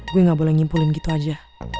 gue gak boleh ngimpulin gitu aja